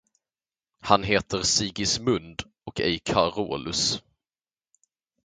Han heter Sigismund och ej Carolus.